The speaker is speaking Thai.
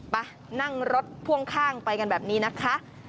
ไปนั่งรถพ่วงข้างไปกันแบบนี้นะคะ